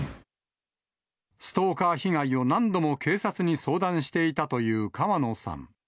ストーカー被害を何度も警察に相談していたという川野さん。